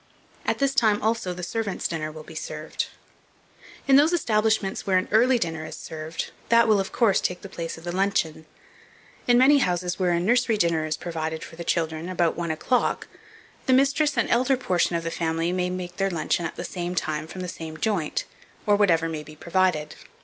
At this time, also, the servants' dinner will be served. In those establishments where an early dinner is served, that will, of course, take the place of the luncheon. In many houses, where a nursery dinner is provided for the children and about one o'clock, the mistress and the elder portion of the family make their luncheon at the same time from the same joint, or whatever may be provided.